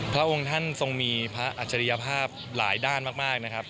พระองค์ท่านทรงมีพระอัจฉริยภาพหลายด้านมากนะครับ